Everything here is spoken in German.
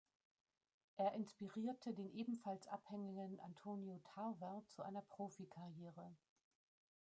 Er inspirierte den ebenfalls abhängigen Antonio Tarver zu einer Profikarriere.